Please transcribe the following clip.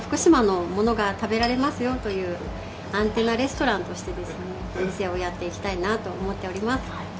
福島のものが食べられますよというアンテナレストランとしてお店をやっていきたいなと思っております。